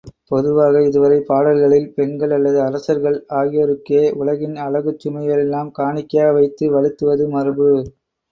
பொதுவாக இதுவரை பாடல்களில், பெண்கள் அல்லது அரசர்கள் ஆகியோருக்கே உலகின் அழகுச் சுமைகளையெல்லாம் காணிக்கையாக வைத்து வழுத்துவது மரபு.